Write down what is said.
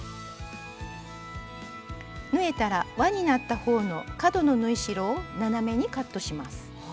縫えたらわになった方の角の縫い代を斜めにカットします。